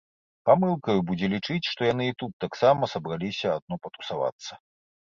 Памылкаю будзе лічыць, што яны і тут таксама сабраліся адно патусавацца.